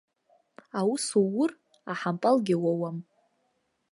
Аус уур, аҳампалгьы уоуам.